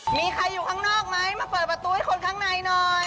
มีใครอยู่ข้างนอกไหมมาเปิดประตูให้คนข้างในหน่อย